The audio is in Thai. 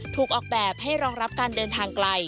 ถูกออกแบบให้รองรับการเดินทางไกล